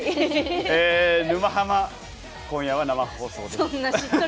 えー、「沼ハマ」今夜は生放送です。